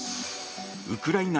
ウクライナ